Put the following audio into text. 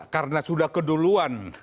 karena sudah keduluan